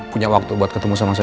punya waktu buat ketemu sama saya